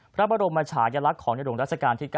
พระบรมชาติยะลักษณ์ของเดี๋ยวดวงรัฐกาลที่๙